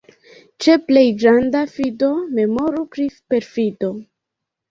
Ĉe plej granda fido memoru pri perfido.